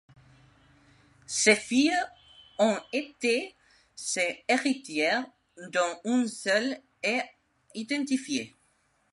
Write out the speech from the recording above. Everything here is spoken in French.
Ses filles ont été ses héritières dont une seule est identifiée.